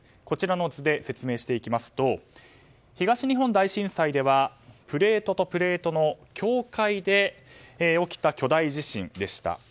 こちらの図で説明していきますと東日本大震災ではプレートとプレートの境界で起きた巨大地震でした。